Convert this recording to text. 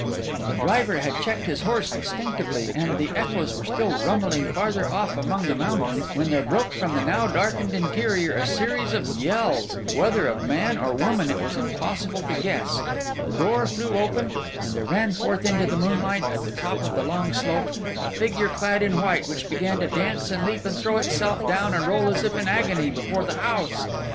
The driver had checked his horse instinctively, and the echoes were still rumbling farther off among the mountains, when there broke from the now darkened interior a series of yells—whether of man or woman it was impossible to guess—the door flew open, and there ran forth into the moonlight, at the top of the long slope, a figure clad in white, which began to dance and leap and throw itself down, and roll as if in agony, before the house.